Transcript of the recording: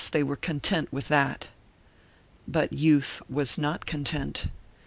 they were content with that. But youth was not content.